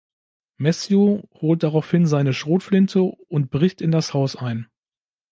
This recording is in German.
Matthew holt daraufhin seine Schrotflinte und bricht in das Haus ein.